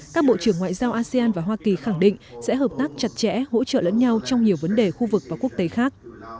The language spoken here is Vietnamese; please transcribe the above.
các bộ trưởng ngoại giao asean và hoa kỳ khẳng định sẽ hợp tác chặt chẽ hỗ trợ lẫn nhau trong nhiều vấn đề khu vực và quốc tế khác